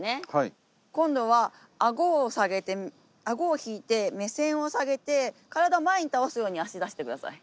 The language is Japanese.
今度は顎を下げて顎を引いて目線を下げて体を前に倒すように足出して下さい。